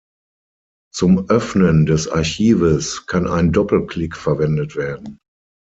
Zum Öffnen des Archives kann ein Doppelklick verwendet werden.